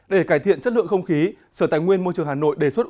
để cải thiện chất lượng không khí sở tài nguyên môi trường hà nội đề xuất